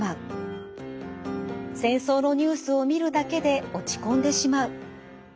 戦争のニュースを見るだけで落ち込んでしまう。